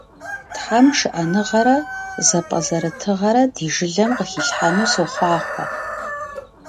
Тхьэм шыӀэныгъэрэ зэпӀэзэрытагъэрэ ди жылэм къыхилъхьэну сохъуахъуэ.